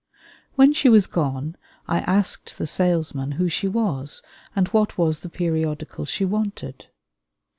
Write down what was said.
When she was gone I asked the salesman who she was, and what was the periodical she wanted.